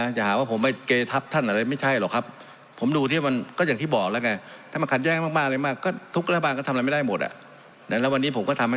มันจะหาว่าผมไม่เกษทัพท่านอะไรไม่ใช่หรอกครับผมดูที่มันก็อย่างที่บอกแล้วไง